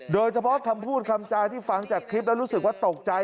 เฉพาะคำพูดคำจาที่ฟังจากคลิปแล้วรู้สึกว่าตกใจ